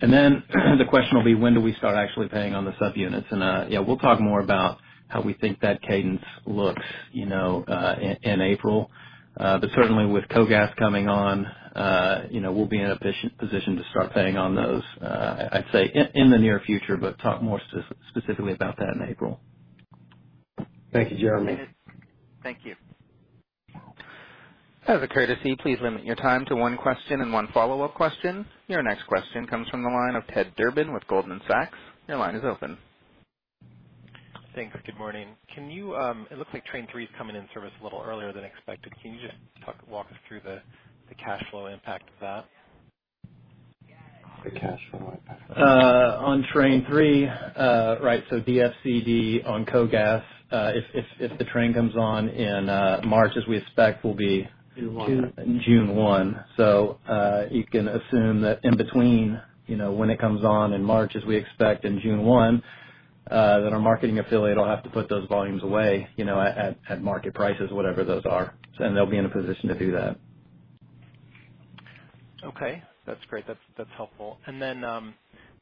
The question will be, when do we start actually paying on the subunits? Yeah, we will talk more about how we think that cadence looks in April. Certainly with KOGAS coming on, we will be in a position to start paying on those, I would say, in the near future, but talk more specifically about that in April. Thank you, Jeremy. Thank you. As a courtesy, please limit your time to one question and one follow-up question. Your next question comes from the line of Theodore Durbin with Goldman Sachs. Your line is open. Thanks. Good morning. It looks like Train 3 is coming in service a little earlier than expected. Can you just walk us through the cash flow impact of that? The cash flow impact. On Train 3, right, DFCD on KOGAS. If the train comes on in March as we expect. June 1. June 1. You can assume that in between, when it comes on in March as we expect, and June 1, that our marketing affiliate will have to put those volumes away at market prices, whatever those are. They'll be in a position to do that. Okay. That's great. That's helpful.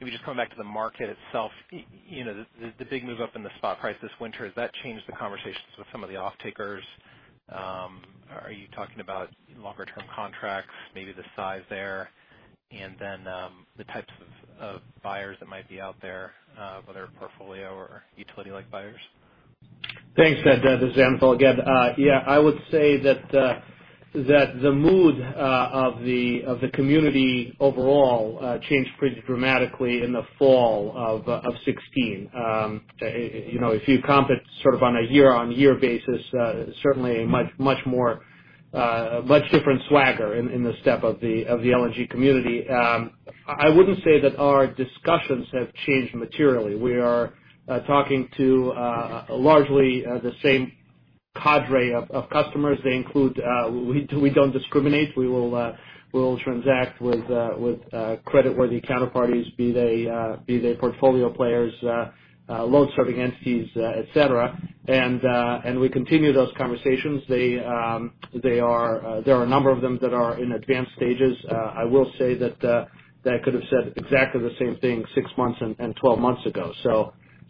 Maybe just coming back to the market itself. The big move up in the spot price this winter, has that changed the conversations with some of the offtakers? Are you talking about longer-term contracts, maybe the size there? The types of buyers that might be out there whether portfolio or utility-like buyers? Thanks, Ted. This is Anatol again. I would say that the mood of the community overall changed pretty dramatically in the fall of 2016. If you comp it sort of on a year-on-year basis, certainly a much different swagger in the step of the LNG community. I wouldn't say that our discussions have changed materially. We are talking to largely the same cadre of customers. We don't discriminate. We will transact with credit-worthy counterparties, be they portfolio players, load-serving entities, et cetera. We continue those conversations. There are a number of them that are in advanced stages. I will say that I could've said exactly the same thing six months and 12 months ago.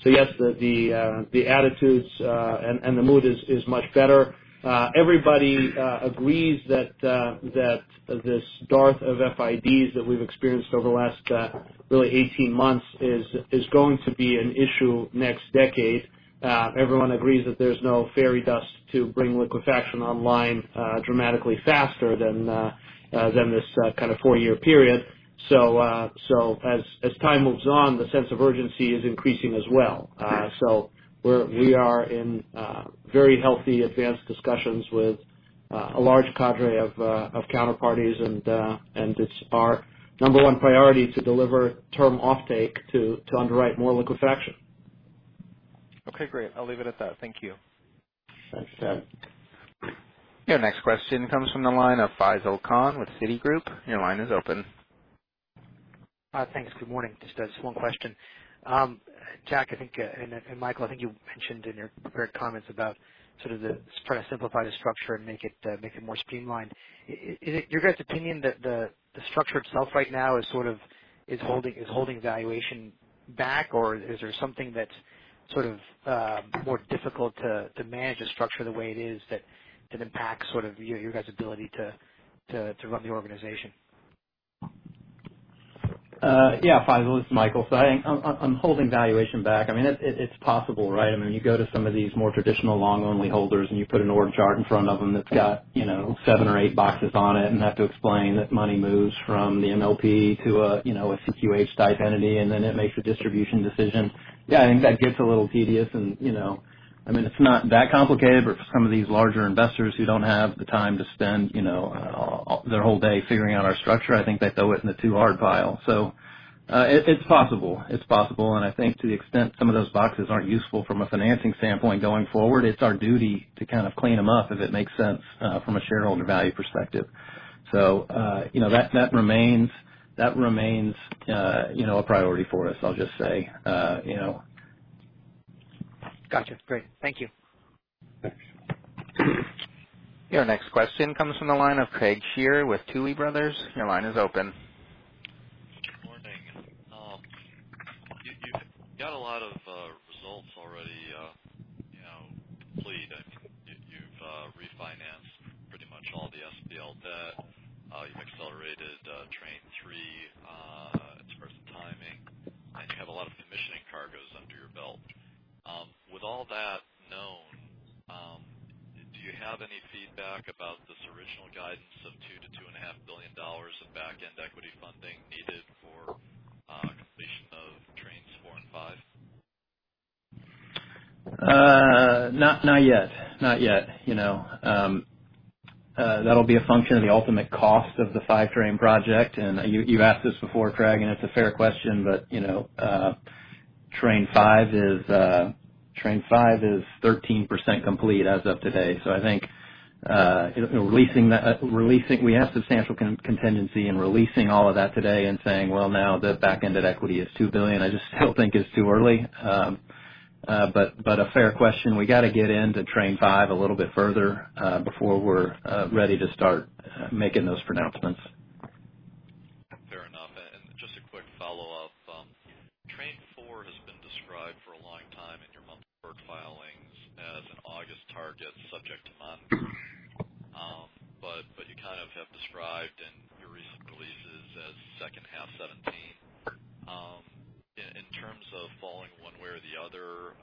Yes, the attitudes and the mood is much better. Everybody agrees that this dearth of FIDs that we've experienced over the last really 18 months is going to be an issue next decade. Everyone agrees that there's no fairy dust to bring liquefaction online dramatically faster than this four-year period. As time moves on, the sense of urgency is increasing as well. We are in very healthy advanced discussions with a large cadre of counterparties, and it's our number one priority to deliver term offtake to underwrite more liquefaction. Okay, great. I'll leave it at that. Thank you. Thanks, Ted. Your next question comes from the line of Faisel Khan with Citigroup. Your line is open. Thanks. Good morning. Just one question. Jack and Michael, I think you mentioned in your prepared comments about sort of the simplified structure and make it more streamlined. Is it your guys' opinion that the structure itself right now is holding valuation back? Or is there something that's more difficult to manage the structure the way it is that it impacts your guys' ability to run the organization? Yeah, Faisel, this is Michael. On holding valuation back, it's possible, right? You go to some of these more traditional long-only holders, you put an org chart in front of them that's got seven or eight boxes on it and have to explain that money moves from the MLP to a CQH-type entity, then it makes a distribution decision. Yeah, I think that gets a little tedious. It's not that complicated, but for some of these larger investors who don't have the time to spend their whole day figuring out our structure, I think they throw it in the too hard pile. It's possible. It's possible, I think to the extent some of those boxes aren't useful from a financing standpoint going forward, it's our duty to kind of clean them up if it makes sense from a shareholder value perspective. That remains a priority for us, I'll just say. Got you. Great. Thank you. Thanks. Your next question comes from the line of Craig Shere with Tuohy Brothers. Your line is open. Good morning. You've got a lot of results already complete. You've refinanced pretty much all the SPL debt. You've accelerated Train 3 as far as the timing, and you have a lot of commissioning cargoes under your belt. With all that known, do you have any feedback about this original guidance of $2 billion-$2.5 billion of back-end equity funding needed for completion of Trains 4 and 5? Not yet. That will be a function of the ultimate cost of the 5-train project. You've asked this before, Craig, and it's a fair question, Train 5 is 13% complete as of today. I think we have substantial contingency in releasing all of that today and saying, well, now the back end of equity is $2 billion. I just still think it's too early. A fair question. We got to get into Train 5 a little bit further before we're ready to start making those pronouncements. Fair enough. Just a quick follow-up. Train 4 has been described for a long time in your monthly board filings as an August target subject to monitoring. You kind of have described in your recent releases as second half 2017. In terms of falling one way or the other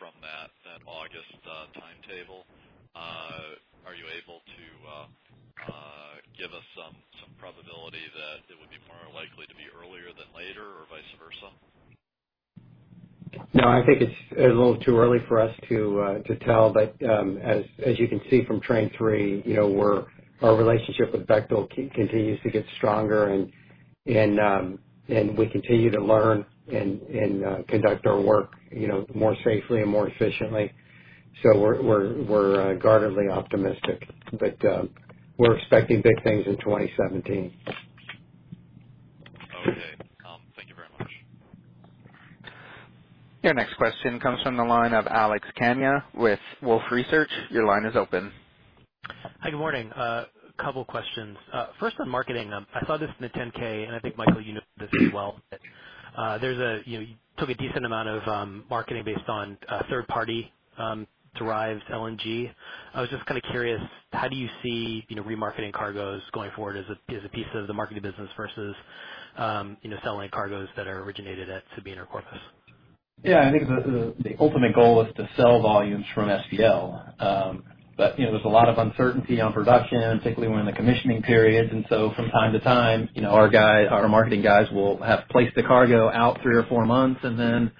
from that August timetable, are you able to give us some probability that it would be more likely to be earlier than later or vice versa? I think it's a little too early for us to tell. As you can see from Train 3, our relationship with Bechtel continues to get stronger. We continue to learn and conduct our work more safely and more efficiently. We're guardedly optimistic. We're expecting big things in 2017. Okay. Thank you very much. Your next question comes from the line of Alex Kania with Wolfe Research. Your line is open. Hi, good morning. A couple questions. First on marketing. I saw this in the 10-K, and I think Michael, you know this as well. You took a decent amount of marketing based on third-party derived LNG. I was just kind of curious, how do you see remarketing cargoes going forward as a piece of the marketing business versus selling cargoes that are originated at Sabine or Corpus? Yeah, I think the ultimate goal is to sell volumes from SPL. There's a lot of uncertainty on production, particularly when in the commissioning periods. From time to time, our marketing guys will have placed the cargo out three or four months, and then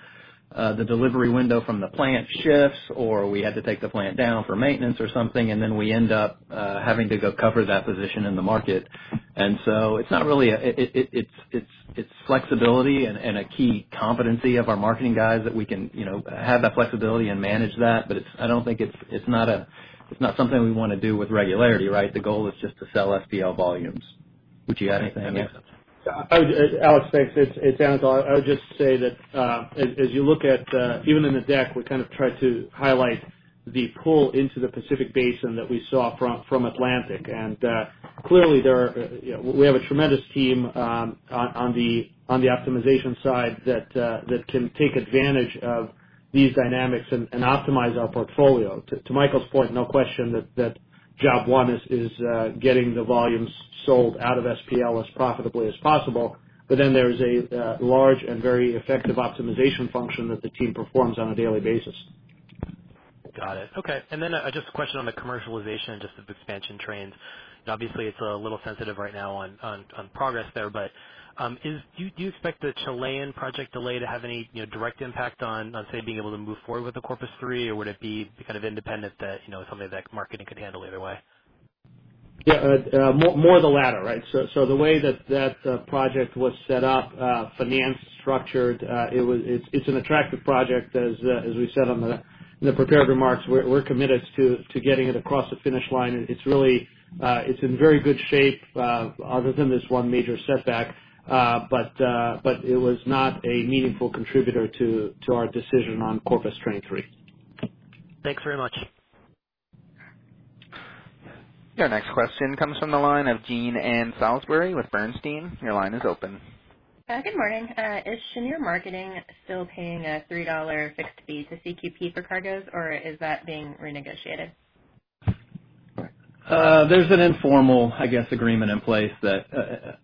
the delivery window from the plant shifts, or we had to take the plant down for maintenance or something, and then we end up having to go cover that position in the market. It's flexibility and a key competency of our marketing guys that we can have that flexibility and manage that, but it's not something we want to do with regularity, right? The goal is just to sell SPL volumes. Would you add anything? Alex, thanks. It's Anatol. I would just say that as you look at, even in the deck, we kind of try to highlight the pull into the Pacific Basin that we saw from Atlantic. Clearly, we have a tremendous team on the optimization side that can take advantage of these dynamics and optimize our portfolio. To Michael's point, no question that job one is getting the volumes sold out of SPL as profitably as possible. There is a large and very effective optimization function that the team performs on a daily basis. Got it. Okay. Just a question on the commercialization and just the expansion trains. Obviously, it's a little sensitive right now on progress there, but do you expect the Chilean project delay to have any direct impact on, say, being able to move forward with the Corpus 3? Or would it be kind of independent that something that marketing could handle either way? Yeah. More the latter. The way that that project was set up, financed, structured, it's an attractive project as we said on the prepared remarks. We're committed to getting it across the finish line. It's in very good shape other than this one major setback. It was not a meaningful contributor to our decision on Corpus Train 3. Thanks very much. Your next question comes from the line of Jean Ann Salisbury with Bernstein. Your line is open. Good morning. Is Cheniere Marketing still paying a $3 fixed fee to CQP for cargoes, or is that being renegotiated? There's an informal agreement in place that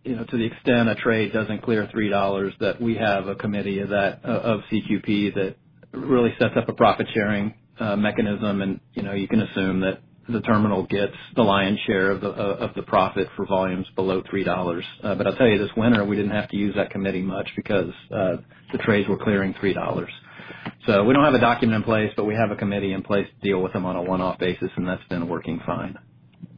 to the extent a trade doesn't clear $3, that we have a committee of CQP that really sets up a profit-sharing mechanism, and you can assume that the terminal gets the lion's share of the profit for volumes below $3. I'll tell you, this winter, we didn't have to use that committee much because the trades were clearing $3. We don't have a document in place, but we have a committee in place to deal with them on a one-off basis, and that's been working fine.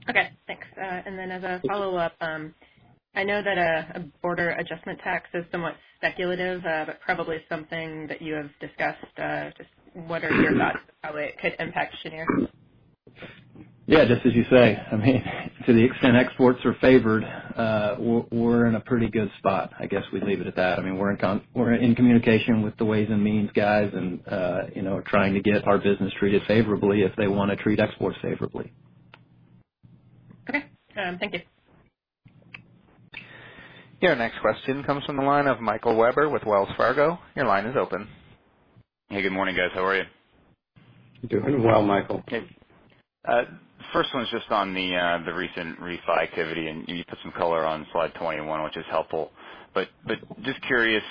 Okay, thanks. As a follow-up, I know that a border adjustment tax is somewhat speculative but probably something that you have discussed. Just what are your thoughts on how it could impact Cheniere? Yeah, just as you say. To the extent exports are favored, we're in a pretty good spot. I guess we'd leave it at that. We're in communication with the Ways and Means guys and trying to get our business treated favorably if they want to treat exports favorably. Okay. Thank you. Your next question comes from the line of Michael Webber with Wells Fargo. Your line is open. Hey, good morning, guys. How are you? Doing well, Michael. Okay. First one is just on the recent refi activity, and you put some color on slide 21, which is helpful. Just curious,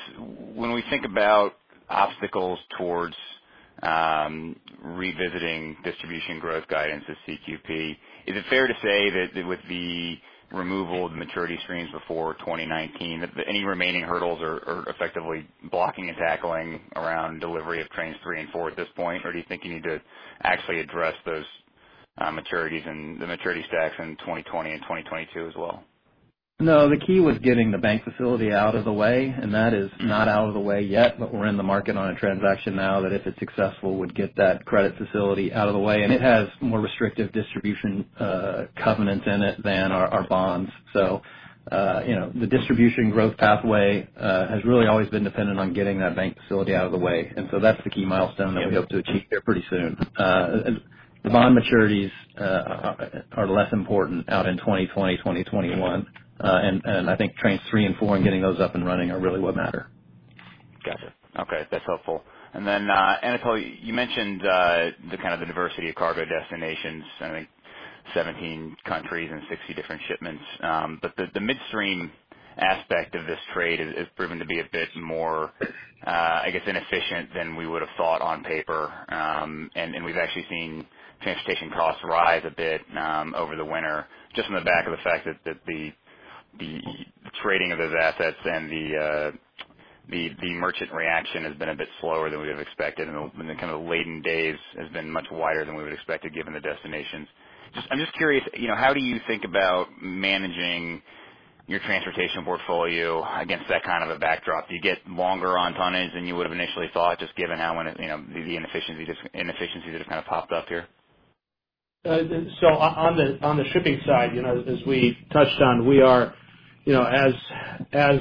when we think about obstacles towards revisiting distribution growth guidance at CQP, is it fair to say that with the removal of the maturity streams before 2019, any remaining hurdles are effectively blocking and tackling around delivery of Trains 3 and 4 at this point? Do you think you need to actually address those maturities and the maturity stacks in 2020 and 2022 as well? No, the key was getting the bank facility out of the way, and that is not out of the way yet, but we're in the market on a transaction now that if it's successful, would get that credit facility out of the way. It has more restrictive distribution covenants in it than our bonds. The distribution growth pathway has really always been dependent on getting that bank facility out of the way. That's the key milestone that we hope to achieve there pretty soon. The bond maturities are less important out in 2020, 2021. I think Trains 3 and 4 and getting those up and running are really what matter. Gotcha. Okay. That's helpful. Then Anatol, you mentioned the kind of the diversity of cargo destinations, I think 17 countries and 60 different shipments. The midstream aspect of this trade has proven to be a bit more inefficient than we would've thought on paper, and we've actually seen transportation costs rise a bit over the winter, just on the back of the fact that the trading of those assets and the merchant reaction has been a bit slower than we would've expected, and the kind of laden days has been much wider than we would expect given the destinations. I'm just curious, how do you think about managing your transportation portfolio against that kind of a backdrop? Do you get longer on tonnage than you would've initially thought, just given the inefficiencies that have kind of popped up here? On the shipping side, as we touched on, we are as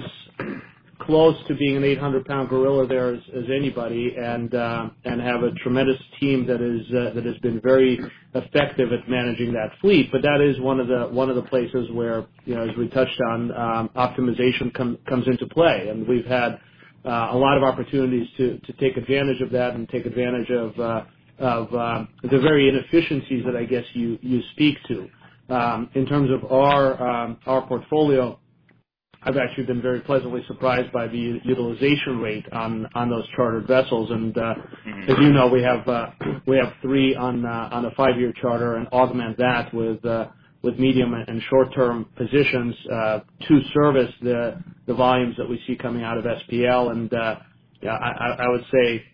close to being an 800-pound gorilla there as anybody and have a tremendous team that has been very effective at managing that fleet. That is one of the places where, as we touched on, optimization comes into play, and we've had a lot of opportunities to take advantage of that and take advantage of the very inefficiencies that I guess you speak to. In terms of our portfolio, I've actually been very pleasantly surprised by the utilization rate on those chartered vessels. As you know, we have three on a five-year charter and augment that with medium and short-term positions to service the volumes that we see coming out of SPL. I would say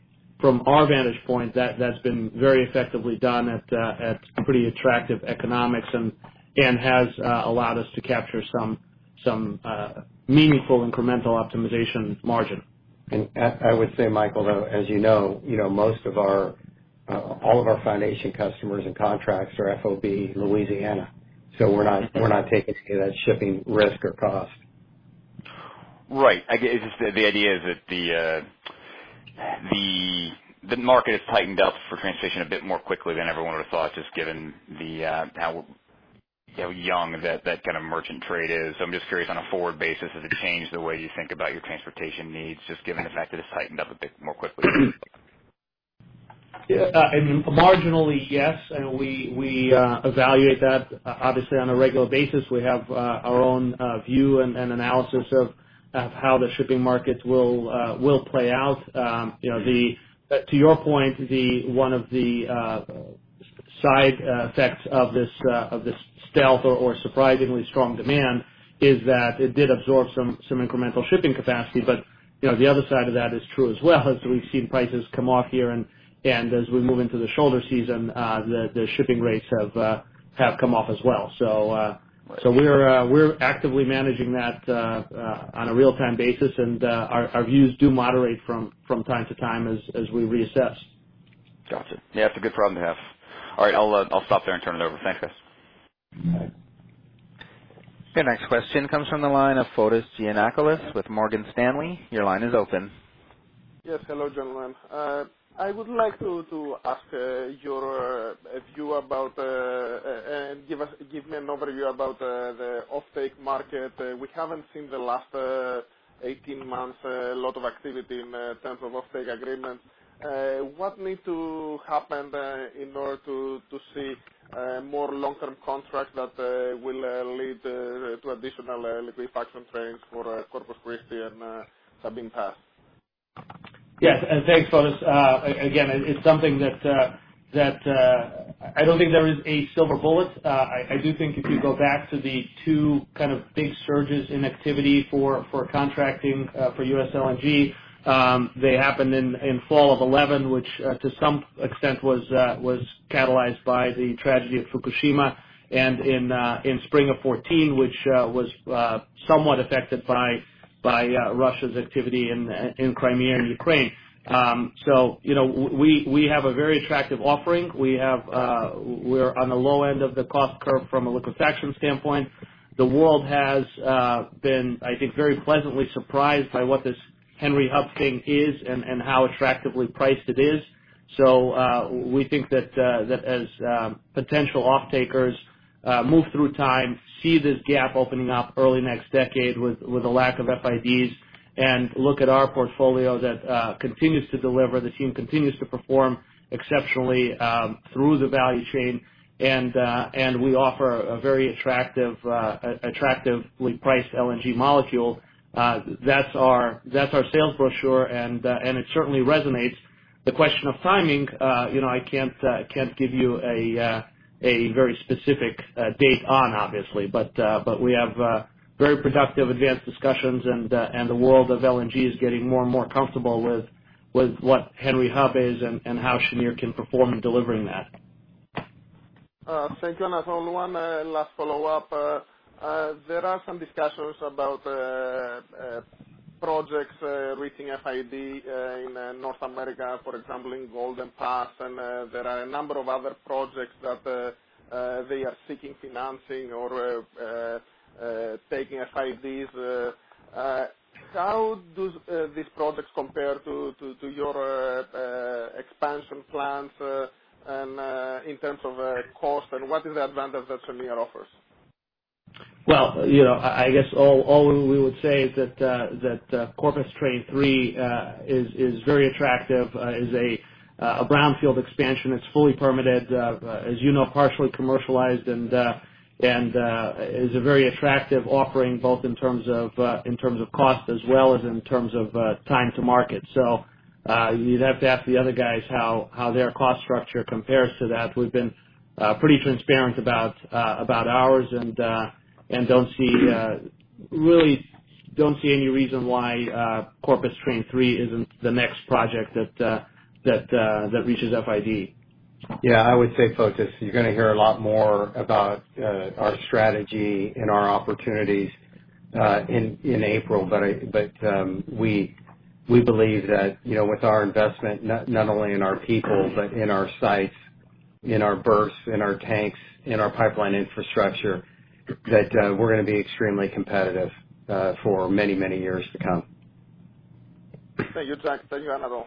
from our vantage point, that's been very effectively done at pretty attractive economics and has allowed us to capture some meaningful incremental optimization margin. I would say, Michael, as you know, all of our foundation customers and contracts are FOB Louisiana. We're not taking any of that shipping risk or cost. Right. I guess the idea is that the market has tightened up for transportation a bit more quickly than everyone would have thought, just given how young that kind of merchant trade is. I'm just curious, on a forward basis, has it changed the way you think about your transportation needs, just given the fact that it's tightened up a bit more quickly? Marginally, yes. We evaluate that obviously on a regular basis. We have our own view and analysis of how the shipping markets will play out. To your point, one of the side effects of this stealth or surprisingly strong demand is that it did absorb some incremental shipping capacity. The other side of that is true as well, as we've seen prices come off here, and as we move into the shoulder season, the shipping rates have come off as well. We're actively managing that on a real-time basis. Our views do moderate from time to time as we reassess. Got it. Yeah, that's a good problem to have. All right, I'll stop there and turn it over. Thanks, guys. Your next question comes from the line of Fotis Giannakoulis with Morgan Stanley. Your line is open. Yes. Hello, gentlemen. Give me an overview about the offtake market. We haven't seen, the last 18 months, a lot of activity in terms of offtake agreements. What needs to happen in order to see more long-term contracts that will lead to additional liquefaction trains for Corpus Christi and Sabine Pass? Yes. Thanks, Fotis. Again, it's something that I don't think there is a silver bullet. I do think if you go back to the two kind of big surges in activity for contracting for U.S. LNG, they happened in fall of 2011, which to some extent was catalyzed by the tragedy of Fukushima, and in spring of 2014, which was somewhat affected by Russia's activity in Crimea and Ukraine. We have a very attractive offering. We're on the low end of the cost curve from a liquefaction standpoint. The world has been, I think, very pleasantly surprised by what this Henry Hub thing is and how attractively priced it is. We think that as potential offtakers move through time, see this gap opening up early next decade with a lack of FIDs, and look at our portfolio that continues to deliver. The team continues to perform exceptionally through the value chain. We offer a very attractively priced LNG molecule. That's our sales brochure, and it certainly resonates. The question of timing, I can't give you a very specific date on, obviously, but we have very productive advanced discussions, and the world of LNG is getting more and more comfortable with what Henry Hub is and how Cheniere can perform in delivering that. Thank you, Anatol Feygin. Last follow-up. There are some discussions about projects reaching FID in North America. For example, in Golden Pass. There are a number of other projects that they are seeking financing or taking FIDs. How do these projects compare to your expansion plans in terms of cost, and what is the advantage that Cheniere offers? Well, I guess all we would say is that Corpus Train 3 is very attractive. It's a brownfield expansion. It's fully permitted. As you know, partially commercialized, and is a very attractive offering both in terms of cost as well as in terms of time to market. You'd have to ask the other guys how their cost structure compares to that. We've been pretty transparent about ours, and really don't see any reason why Corpus Train 3 isn't the next project that reaches FID. Yeah, I would say, Fotis, you're going to hear a lot more about our strategy and our opportunities in April. We believe that with our investment not only in our people but in our sites, in our berths, in our tanks, in our pipeline infrastructure, that we're going to be extremely competitive for many, many years to come. Thank you, Jack. Thank you, Anatol.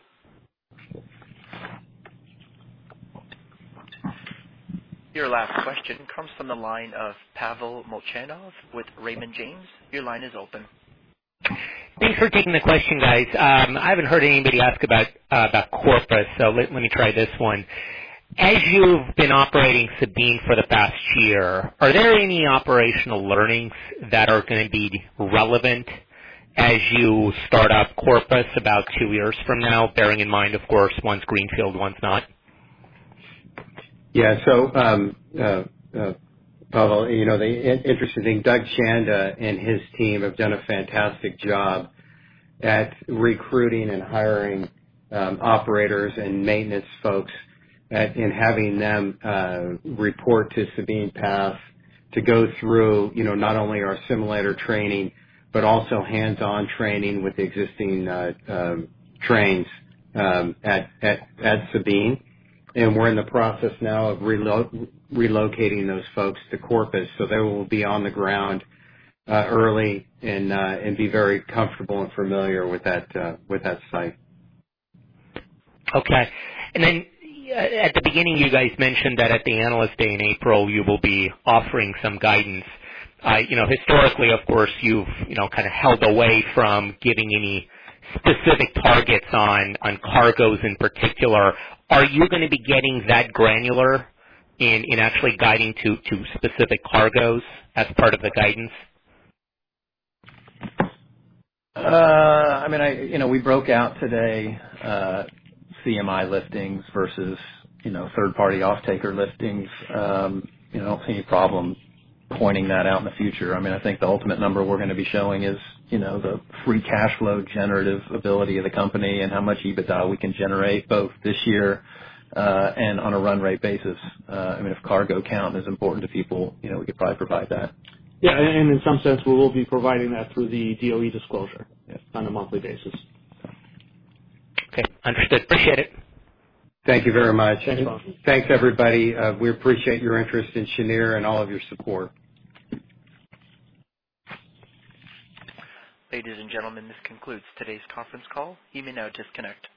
Your last question comes from the line of Pavel Molchanov with Raymond James. Your line is open. Thanks for taking the question, guys. I haven't heard anybody ask about Corpus, let me try this one. As you've been operating Sabine for the past year, are there any operational learnings that are going to be relevant as you start up Corpus about two years from now? Bearing in mind, of course, one's greenfield, one's not. Yeah. Pavel, the interesting thing, Doug Shanda and his team have done a fantastic job at recruiting and hiring operators and maintenance folks and having them report to Sabine Pass to go through not only our simulator training but also hands-on training with existing trains at Sabine. We're in the process now of relocating those folks to Corpus, so they will be on the ground early and be very comfortable and familiar with that site. At the beginning, you guys mentioned that at the Analyst Day in April, you will be offering some guidance. Historically, of course, you've kind of held away from giving any specific targets on cargoes in particular. Are you going to be getting that granular in actually guiding to specific cargoes as part of the guidance? We broke out today CMI listings versus third-party offtaker listings. I don't see any problem pointing that out in the future. I think the ultimate number we're going to be showing is the free cash flow generative ability of the company and how much EBITDA we can generate both this year and on a run rate basis. If cargo count is important to people, we could probably provide that. Yeah. In some sense, we will be providing that through the DOE disclosure on a monthly basis. Okay, understood. Appreciate it. Thank you very much. Thanks, Pavel. Thanks, everybody. We appreciate your interest in Cheniere and all of your support. Ladies and gentlemen, this concludes today's conference call. You may now disconnect.